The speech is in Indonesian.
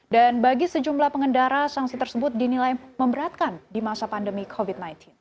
dan bagi sejumlah pengendara sanksi tersebut dinilai memberatkan di masa pandemi covid sembilan belas